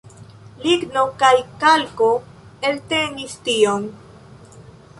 Ligno kaj kalko eltenis tion.